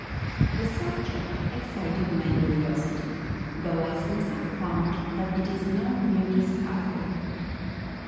The subject excited my curiosity, though I since have found that it is no new discovery.